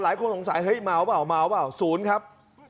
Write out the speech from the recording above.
หลายคนสงสัยเฮ้ยมาเหรอสูญครับ